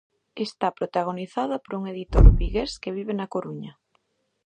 Está protagonizada por un editor vigués que vive na Coruña.